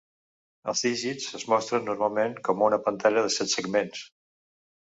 Els dígits es mostren normalment com una pantalla de set segments.